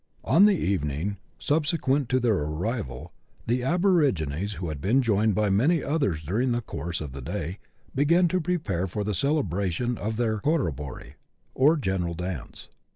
On the evening subsequent to their arrival, the aborigines, who had been joined by many others during the course of the day, began to prepare for the celebration of their " corrobory," or general dance.